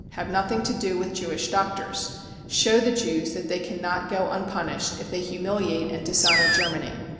Have nothing to do with Jewish doctors ! Show the Jews that they cannot go unpunished if they humiliate and dis honour Germany.